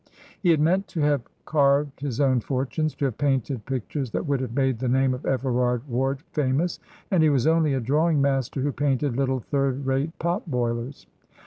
He had meant to have carved his own fortunes, to have painted pictures that would have made the name of Everard Ward famous; and he was only a drawing master who painted little third rate pot boilers.